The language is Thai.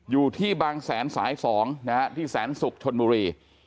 อยู่ที่บางแสนสาย๒นะฮะที่แสนศุกร์ชนบุรี